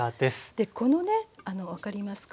でこのね分かりますか？